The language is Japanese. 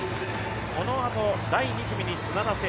このあと第２組に砂田晟